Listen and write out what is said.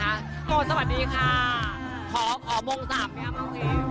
ยาโมสวัสดีค่ะขอโมงสามไหมครับเมื่อกี้